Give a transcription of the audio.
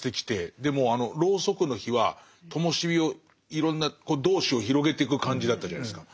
でもあのロウソクの火は灯し火をいろんなこう同志を広げていく感じだったじゃないですか。